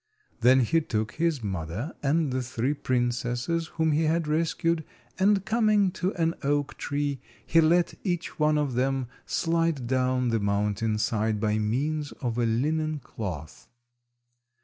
Then he took his mother and the three princesses whom he had rescued, and, coming to an oak tree, he let each one of them slide down the mountain side by means of a linen cloth.